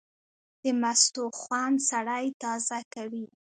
د مستو خوند سړی تازه کوي.